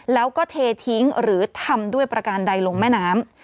แล้วก็เททิ้งหรือทำด้วยประการใดลงแม่น้ำ